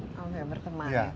oh ya berteman